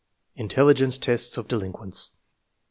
Intelligence tests of delinquents.